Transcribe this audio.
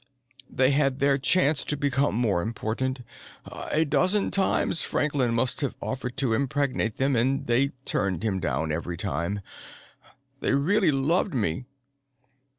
They had their chance to become more important. A dozen times Franklin must have offered to impregnate them, and they turned him down every time. They really loved me."